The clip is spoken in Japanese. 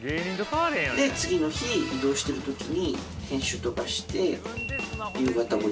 で次の日移動してる時に編集とかして夕方５時くらいに上げる。